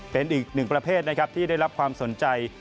เป็นอีกหนึ่งประเภทนะครับที่ได้รับความสนใจ